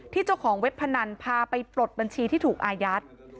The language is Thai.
เจ้าของเว็บพนันพาไปปลดบัญชีที่ถูกอายัด